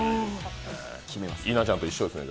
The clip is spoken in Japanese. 稲ちゃんと一緒ですね。